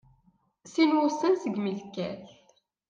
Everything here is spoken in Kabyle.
Sin wussan segmi tekkat.